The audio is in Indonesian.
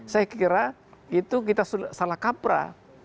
saya kira itu kita salah kapra